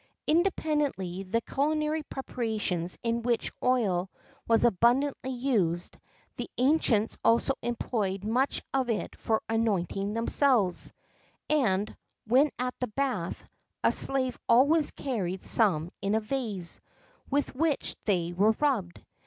[XII 39] Independently of the culinary preparations in which oil was abundantly used, the ancients also employed much of it for anointing themselves; and, when at the bath, a slave always carried some in a vase,[XII 40] with which they were rubbed.